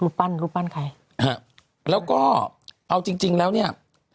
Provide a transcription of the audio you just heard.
ปั้นรูปปั้นใครฮะแล้วก็เอาจริงจริงแล้วเนี้ย